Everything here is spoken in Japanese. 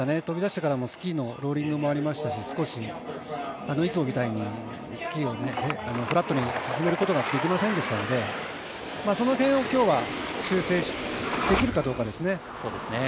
飛び出してからもスキーのローリングもありましたしいつもみたいにスキーをフラットに進めることができませんでしたのでその点を今日は修正できるかどうかです。